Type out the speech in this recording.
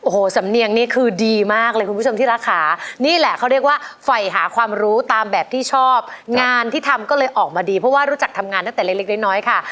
โอ้โหสำเนียงนี่คือดีมากเลยคุณผู้ชมที่รักค่ะนี่แหละเขาเรียกว่าไฟหาความรู้ตามแบบที่ชอบงานที่ทำก็เลยออกมาดีเพราะว่ารู้จักทำงานตั้งแต่เล็กน้อยค่ะ